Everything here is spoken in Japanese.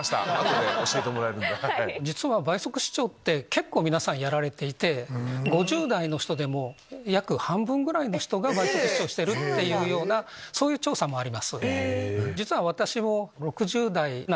実は倍速視聴って結構皆さんやられていて５０代の人でも約半分の人が倍速視聴しているそういう調査もあります。